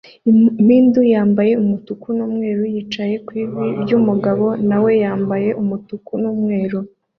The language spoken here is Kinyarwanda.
Impundu yambaye umutuku n'umweru yicaye ku ivi ry'umugabo nawe wambaye umutuku n'umweru